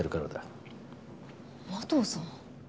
麻藤さん。